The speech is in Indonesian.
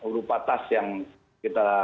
rupa tas yang kita